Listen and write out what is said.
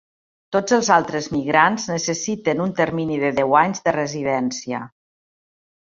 Tots els altres migrants necessiten un termini de deu anys de residència.